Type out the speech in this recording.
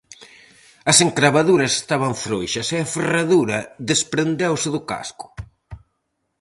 As encravaduras estaban frouxas e a ferradura desprendeuse do casco.